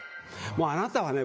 もうあなたはね